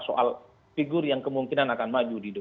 soal figur yang kemungkinan akan maju di dua ribu dua puluh empat